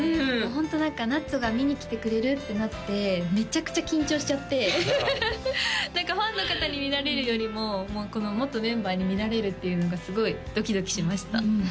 ホントなっつが見に来てくれるってなってめちゃくちゃ緊張しちゃって何かファンの方に見られるよりもこの元メンバーに見られるっていうのがすごいドキドキしました